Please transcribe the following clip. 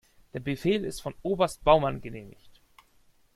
Der Befehl ist von Oberst Baumann genehmigt.